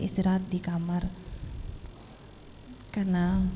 istirahat di kamar hai karena saya mengalami trauma dan sedikit depresi